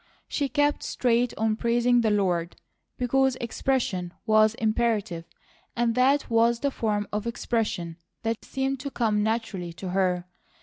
She kept straight on praising the Lord, because expression was imperative, and that was the form of expression that seemed to come naturally to her.